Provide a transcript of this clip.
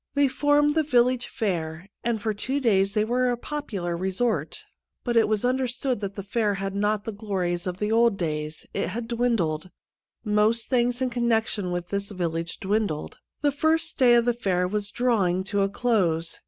They formed the village fair, and for two days they were a popular resort. But it was under stood that the fair had not the glories of old days ; it had dwindled. Most things in connection with this village dwindled. The first day of the fair was draw ing to a close.